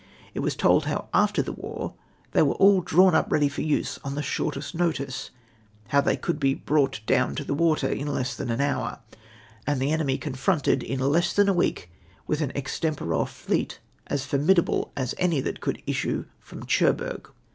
It was told how after the war they were all drawn up ready for use on the shortest notice, how they could be brought down to the water in less than an horn , and the enemy confronted in less than a week with an extempore fleet as formidable as any that could issue from Cherbourg.